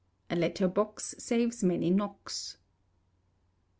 [A LETTER BOX SAVES MANY KNOCKS.